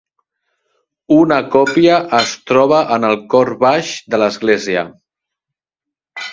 Una còpia es troba en el cor baix de l'església.